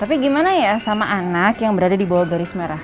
tapi gimana ya sama anak yang berada di bawah garis merah